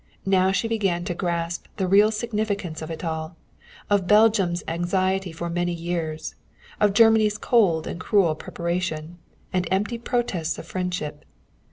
Now she began to grasp the real significance of it all, of Belgium's anxiety for many years, of Germany's cold and cruel preparation, and empty protests of friendship.